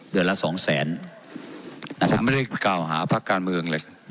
เดือนละสองแสนนะครับไม่ได้กล่าวหาภาคการเมืองเลย